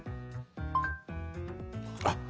あっ！